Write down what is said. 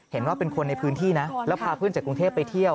เห็นว่าเป็นคนในพื้นที่นะแล้วพาเพื่อนจากกรุงเทพไปเที่ยว